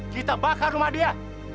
kita bakar rumah dia